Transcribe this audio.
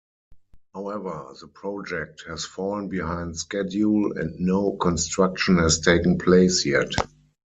However, the project has fallen behind schedule, and no construction has taken place yet.